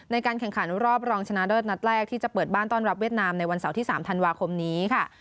ในการแข่งขันรอบรองชนะเลิศนัดแรกที่จะเปิดบ้านต้อนรับเวียดนามในวันเสาร์ที่๓ธันวาคมนี้ค่ะ